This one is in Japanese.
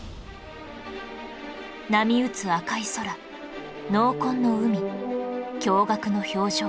波打つ赤い空濃紺の海驚愕の表情